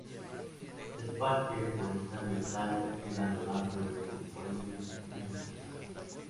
El parque forestal de Tay queda a lo largo de su orilla meridional.